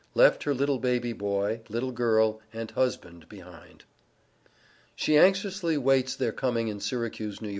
LEFT HER LITTLE BABY BOY, LITTLE GIRL AND HUSBAND BEHIND. She anxiously waits their coming in Syracuse, N.Y.